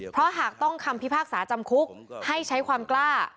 เพราะหากต้องคำพิพากษาจำคุกให้ใช้ความกล้า